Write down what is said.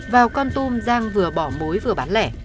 vào con tum giang vừa bỏ mối vừa bán lẻ